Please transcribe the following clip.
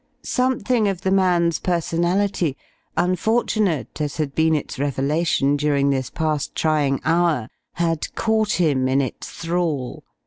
Something of the man's personality, unfortunate as had been its revelation during this past trying hour, had caught him in its thrall.